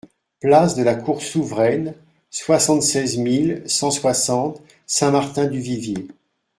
Place de la Cour Souveraine, soixante-seize mille cent soixante Saint-Martin-du-Vivier